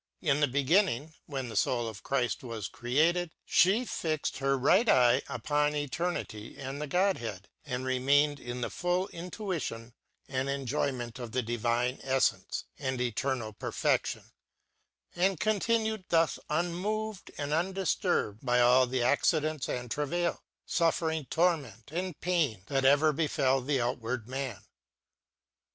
In the beginning, when the foul of Chrift was created, fhe fixed her right eye upon eternity and the Godhead, and remained in the full intuition and en joyment of the Divine ElTence and Eternal Perfeftion; and continued thus unmoved and undifturbed by all the accidents and travail, fufFering, torment and pain that ever befell the outward man.